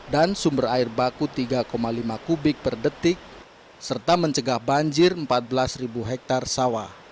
dan sumber air baku tiga lima kubik per detik serta mencegah banjir empat belas hektare sawah